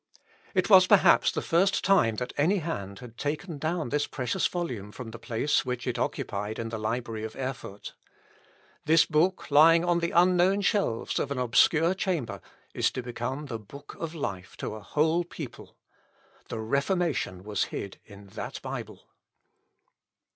It was perhaps the first time that any hand had taken down this precious volume from the place which it occupied in the library of Erfurt. This book, lying on the unknown shelves of an obscure chamber, is to become the book of life to a whole people. The Reformation was hid in that Bible.